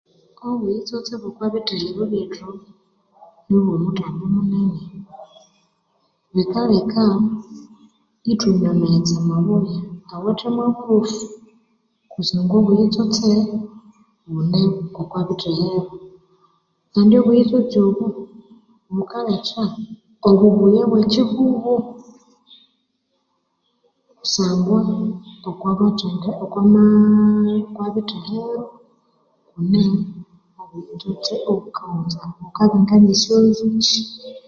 Obuyitsotse Okwabitehero byetu kune obuyetsotse obukaghunza obuyitsotse bwetu nibomutambu munene bukaleka itwanywa amaghetse amabuya indi obuyetsotsi obu bukaleta obubuya obwekihugho